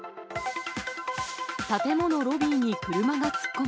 建物ロビーに車が突っ込む。